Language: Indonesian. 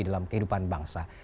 dalam kehidupan bangsa